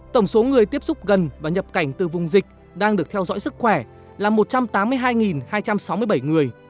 tổng số người tiếp xúc gần và nhập cảnh từ vùng dịch đang được theo dõi sức khỏe là một trăm tám mươi hai hai trăm sáu mươi bảy người